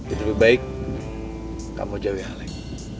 itu lebih baik kamu jauhi alec